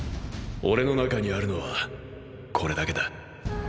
俺の中にあるのはこれだけだ。